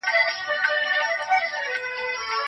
د خدايي کلام مطالعه د حیاتې لارو په اړه پوهه ورکوي.